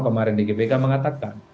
kemarin di gpk mengatakan